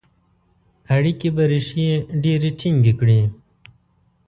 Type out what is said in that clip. اړیکي به ریښې ډیري ټینګي کړي.